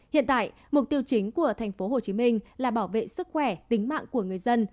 hiện tại mục tiêu chính của tp hcm là bảo vệ sức khỏe tính mạng của người dân